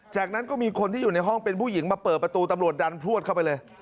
จากนั้นก็มีคนที่อยู่ในห้องเป็นผู้หญิงมาเปิดประตูตำรวจดันพลวดเข้าไปเลย